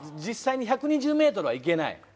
実際に１２０ｍは行けない？